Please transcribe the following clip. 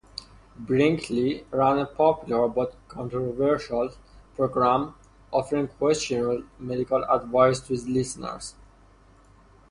Brinkley ran a popular but controversial program offering questionable medical advice to his listeners.